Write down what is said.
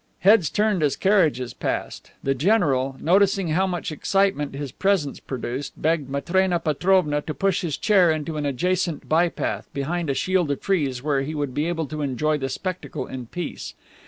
Heads turned as carriages passed; the general, noticing how much excitement his presence produced, begged Matrena Petrovna to push his chair into an adjacent by path, behind a shield of trees where he would be able to enjoy the spectacle in peace.